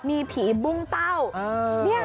มีผีบุ้งเต้าเนี่ยฮะ